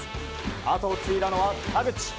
あとを継いだのは田口。